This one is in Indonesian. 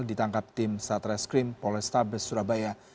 ditangkap tim satreskrim polrestabes surabaya